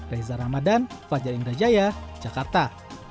reza ramadan fajar indrajaya jakarta